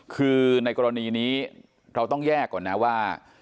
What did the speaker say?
คือในกรณีนี้เราต้องแยกก่อนนะว่า